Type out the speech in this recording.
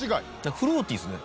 フルーティーですね。